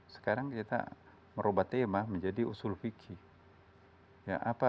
sekarang kita merubah tema menjadi usul fikih